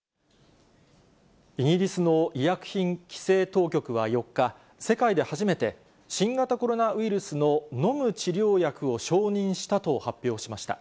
イギリスの医薬品規制当局は４日、世界で初めて、新型コロナウイルスの飲む治療薬を承認したと発表しました。